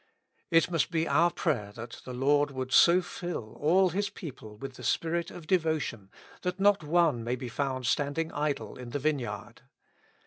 It must be our prayer that the Lord would so fill all His people with the spirit of de votion, that not one may be found standing idle in the vineyard.